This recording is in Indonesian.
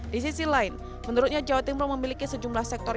di sisi lain menurutnya jawa timur memiliki sejumlah sektor